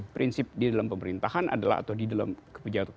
prinsip di dalam pemerintahan adalah atau di dalam kebijakan kekuasaan